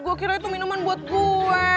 gue kira itu minuman buat gue